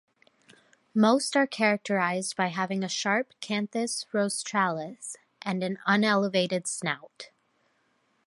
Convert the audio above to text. Most are characterized by having a sharp "canthus rostralis" and an unelevated snout.